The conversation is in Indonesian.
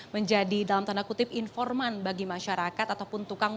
menjadi dalam tanda kutip informan bagi masyarakat ataupun tukang